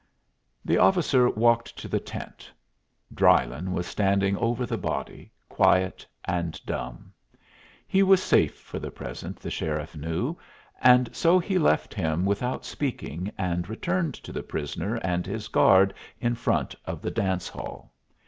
The officer walked to the tent. Drylyn was standing over the body, quiet and dumb. He was safe for the present, the sheriff knew, and so he left him without speaking and returned to the prisoner and his guard in front of the dance hall.